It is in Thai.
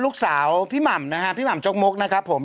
ลูกสาวพี่หม่ำนะฮะพี่หม่ำจกมกนะครับผม